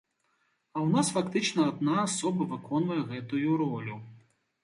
А ў нас фактычна адна асоба выконвае гэтую ролю.